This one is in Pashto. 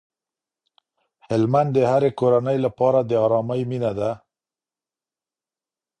هلمند د هرې کورنۍ لپاره د ارامۍ مينه ده.